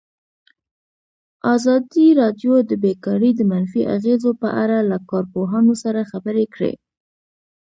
ازادي راډیو د بیکاري د منفي اغېزو په اړه له کارپوهانو سره خبرې کړي.